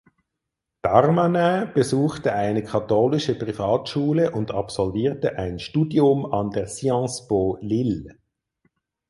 Darmanin besuchte eine katholische Privatschule und absolvierte ein Studium an der Sciences Po Lille.